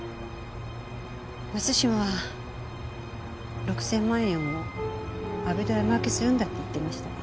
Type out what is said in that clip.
松島は６０００万円を阿部と山分けするんだって言ってました。